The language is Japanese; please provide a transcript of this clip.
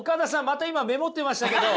また今メモってましたけど。